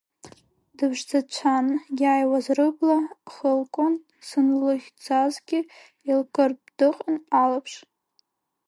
Дыԥшӡацәан иааиуаз рыбла хылкуан, санлыхьӡазгьы илкыртә дыҟан алаԥш.